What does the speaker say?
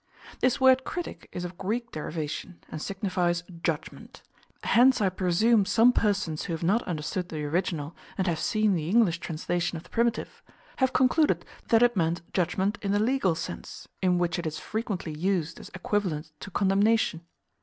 This word critic is of Greek derivation, and signifies judgment. Hence I presume some persons who have not understood the original, and have seen the English translation of the primitive, have concluded that it meant judgment in the legal sense, in which it is frequently used as equivalent to condemnation.